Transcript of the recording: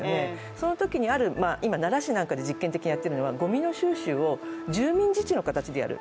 そのときに今、奈良市なんかで実験的にやっているのは、ゴミ収集を、住民自治の形でやる。